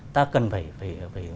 ta cần phải